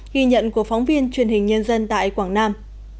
ghi nhận của phóng viên truyền hình nhân dân tại quảng nam